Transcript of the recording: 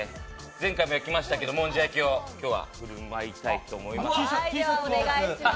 前回も焼きましたけれども、もんじゃ焼きを今日は振る舞いたいと思います。